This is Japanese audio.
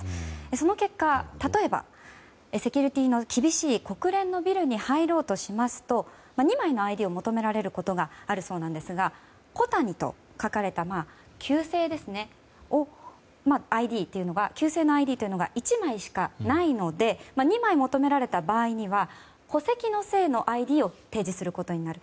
その結果、例えばセキュリティーの厳しい国連のビルに入ろうとしますと２枚のＩＤを求められることがあるそうなんですが小谷と書かれた旧姓のＩＤというのが１枚しかないので２枚求められた場合には戸籍の姓のＩＤを提示することになる。